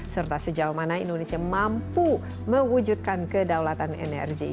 serta sejauh mana indonesia mampu mewujudkan kedaulatan energi